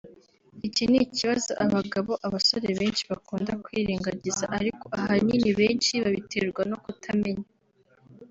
Iki ni ikibazo abagabo/abasore benshi bakunda kwirengagiza ariko ahanini benshi babiterwa no kutamenya